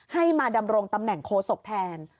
ให้มาดำรงตำแหน่งโคศกแทน